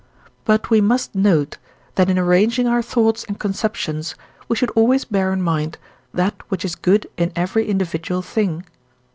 But we must note, that in arranging our thoughts and conceptions we should always bear in mind that which is good in every individual thing (IV.